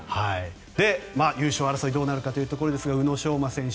優勝争いどうなるかというところですが宇野昌磨選手